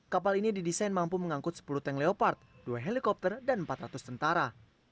kapal ini didesain mampu mengangkut sepuluh tank leopard dua helikopter dan empat ratus tentara